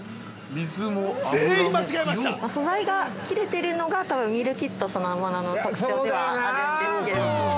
◆素材が切れてるのが多分ミールキットそのものの特徴ではあるんですけれども。